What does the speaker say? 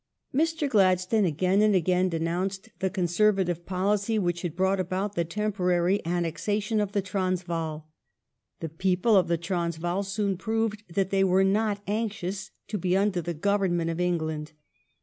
Mr. Gladstone again and again denounced the Conservative policy which had brought about the temporary annexation of the Transvaal. The people of the Transvaal soon proved that they were not anxious to be under the government of England.